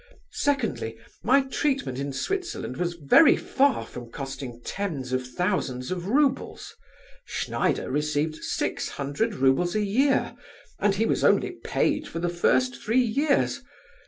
Secondly, my treatment in Switzerland was very far from costing tens of thousands of roubles. Schneider received six hundred roubles a year, and he was only paid for the first three years.